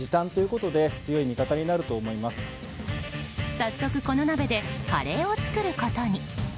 早速この鍋でカレーを作ることに。